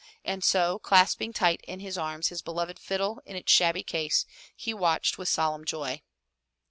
And so, clasping tight in his arms his beloved fiddle in its shabby case, he watched with solemn joy.